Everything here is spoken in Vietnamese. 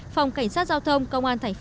phòng cảnh sát giao thông công an thành phố